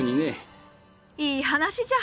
いい話じゃ。